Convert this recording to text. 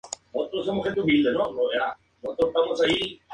Se trasladó a Kansas City, Missouri, donde contrajo matrimonio y tuvo dos hijos.